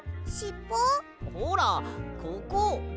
ほらここ！